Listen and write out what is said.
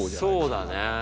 そうだね。